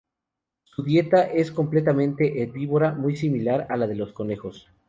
Su dieta es completamente herbívora, muy similar a la de los conejos.